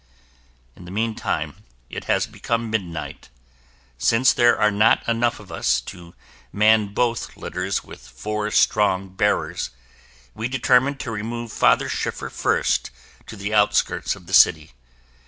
In the meantime, it has become midnight. Since there are not enough of us to man both litters with four strong bearers, we determine to remove Father Schiffer first to the outskirts of the city.